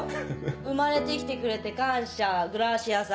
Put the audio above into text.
「生まれてきてくれて感謝グラシアス